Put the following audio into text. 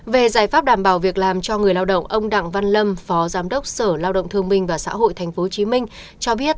về giải pháp đảm bảo việc làm cho người lao động ông đặng văn lâm phó giám đốc sở lao động thương minh và xã hội tp hcm cho biết